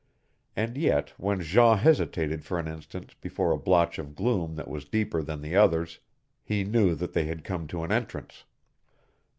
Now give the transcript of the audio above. And yet when Jean hesitated for an instant before a blotch of gloom that was deeper than the others, he knew that they had come to an entrance.